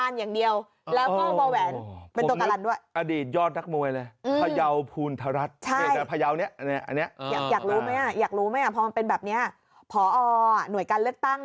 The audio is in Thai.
อันนี้มีคนกันแกล้ง